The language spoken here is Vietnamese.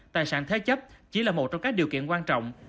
tài sản thế chấp chỉ là một trong các điều kiện quan trọng